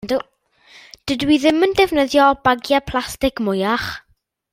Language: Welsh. Dydw i ddim yn defnyddio bagiau plastig mwyach.